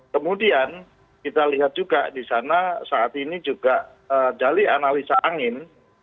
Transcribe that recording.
kemudian kita lihat juga di sana saat ini juga dari analisa angin